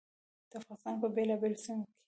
د افغانستان په بېلابېلو سیمو کې.